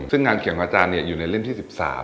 ซึ่งงานเขียงอาจารย์อยู่ในเล่มที่๑๓